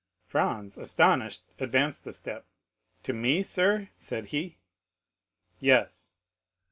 Franz, astonished, advanced a step. "To me, sir?" said he. "Yes."